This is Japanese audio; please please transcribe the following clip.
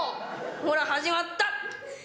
ほら始まった。